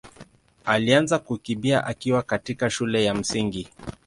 alianza kukimbia akiwa katika shule ya Msingi.